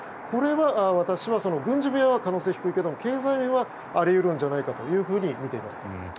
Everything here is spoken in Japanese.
これは私は軍事面は可能性は低いけれども、経済面はあり得るんじゃないかと見ています。